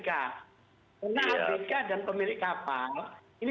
karena abk dan pemilik kapal